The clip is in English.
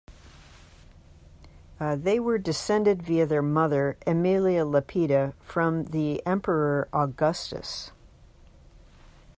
They were descended via their mother, Aemilia Lepida, from the emperor Augustus.